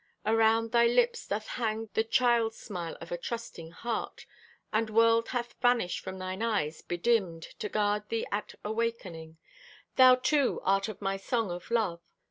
Around thy lips doth hang The child smile of a trusting heart; And world hath vanished From thine eyes, bedimmed To gard thee at awakening. Thou, too, art of my song of love.